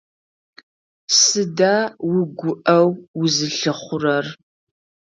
Сыда угуӀэу узылъыхъурэр?